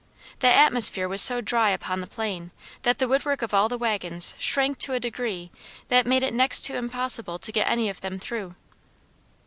The atmosphere was so dry upon the plain, that the wood work of all the wagons shrank to a degree that made it next to impossible to get any of them through.